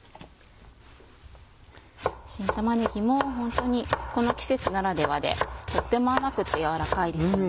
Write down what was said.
新玉ねぎもホントにこの季節ならではでとっても甘くて柔らかいですよね。